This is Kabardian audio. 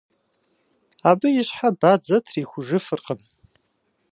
Абы и щхьэ бадзэ трихужыфыркъым.